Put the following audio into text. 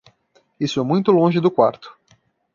Isso é muito longe do quarto.